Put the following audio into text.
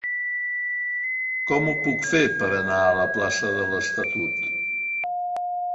Com ho puc fer per anar a la plaça de l'Estatut?